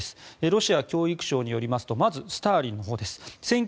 ロシア教育省によりますとまず、スターリンのほうです。